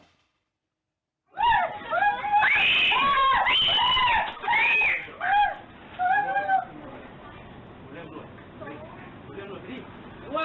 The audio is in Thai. ด้วย